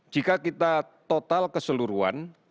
jika kita total keseluruhan